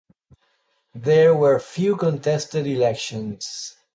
There were few contested elections.